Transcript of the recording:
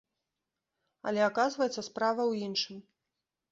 Але, аказваецца, справа ў іншым.